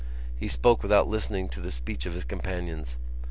He spoke without listening to the speech of his companions.